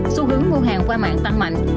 xu hướng mua hàng qua mạng tăng mạnh